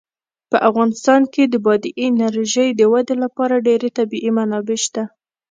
په افغانستان کې د بادي انرژي د ودې لپاره ډېرې طبیعي منابع شته دي.